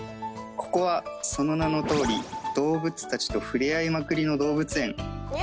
ここはその名のとおり動物たちと触れ合いまくりの動物園